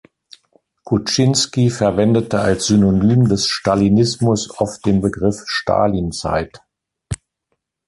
Kuczynski verwendete als Synonym des Stalinismus oft den Begriff "Stalinzeit".